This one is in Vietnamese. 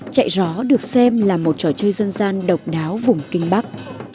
chạy gió được xem là một trò chơi dân gian độc đáo vùng kinh bắc